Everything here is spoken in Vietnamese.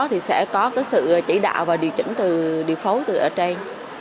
thì sẽ có sự chỉ đạo và điều chỉnh từ địa bàn